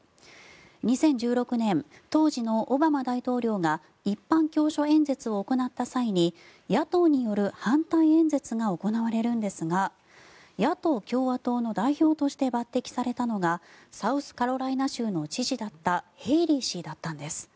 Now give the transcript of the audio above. ２０１６年当時のオバマ大統領が一般教書演説を行った際に野党による反対演説が行われるんですが野党・共和党の代表として抜てきされたのがサウスカロライナ州の知事だったヘイリー氏だったんです。